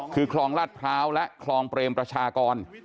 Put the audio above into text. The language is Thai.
คือคลองลาดพร้าวและคลองเปรมประชากร